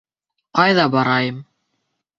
Ҡайҙа барайым?